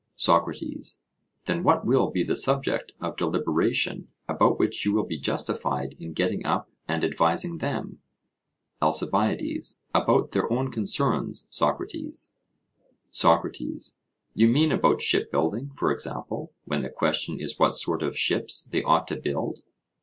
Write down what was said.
SOCRATES: Then what will be the subject of deliberation about which you will be justified in getting up and advising them? ALCIBIADES: About their own concerns, Socrates. SOCRATES: You mean about shipbuilding, for example, when the question is what sort of ships they ought to build?